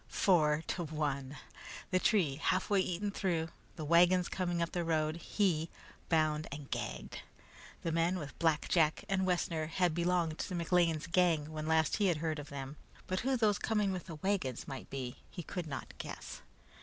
Four to one! The tree halfway eaten through, the wagons coming up the inside road he, bound and gagged! The men with Black Jack and Wessner had belonged to McLean's gang when last he had heard of them, but who those coming with the wagons might be he could not guess.